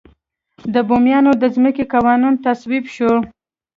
د بوميانو د ځمکو قانون تصویب شو.